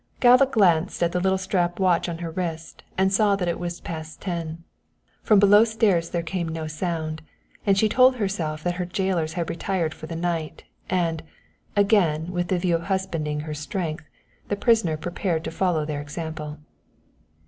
Galva glanced at the little strap watch on her wrist and saw that it was past ten. From below stairs there came no sound, and she told herself that her jailers had retired for the night, and, again with the view of husbanding her strength, the prisoner prepared to follow their example.